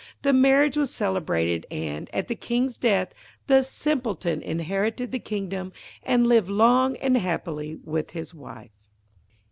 The marriage was celebrated, and, at the King's death, the Simpleton inherited the kingdom, and lived long and happily with his wife.